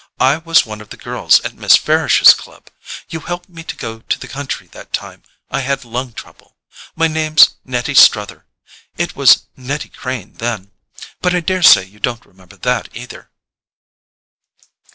I was one of the girls at Miss Farish's club—you helped me to go to the country that time I had lung trouble. My name's Nettie Struther. It was Nettie Crane then—but I daresay you don't remember that either."